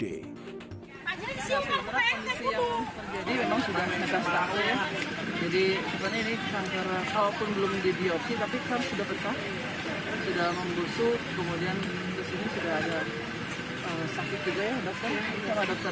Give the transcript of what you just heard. walaupun belum di biopsi tapi kanker sudah besar